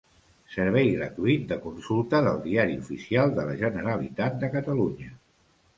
Servei gratuït de consulta del Diari Oficial de la Generalitat de Catalunya.